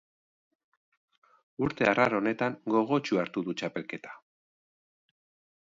Urte arraro honetan, gogotsu hartu du txapelketa.